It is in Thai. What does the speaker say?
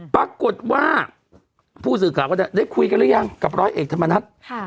ปรากฏว่าผู้สื่อข่าวก็ได้คุยกันหรือยังกับร้อยเอกธรรมนัฐ